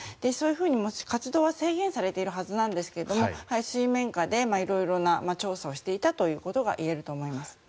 そういうふうに活動は制限されているはずなんですが水面下で色々な調査をしていたということがいえると思います。